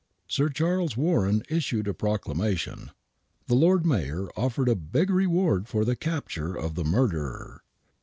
Sir Charles Warren issued a proclamation. The Lord Mayor offered a big reward for the capti^re of the murderer.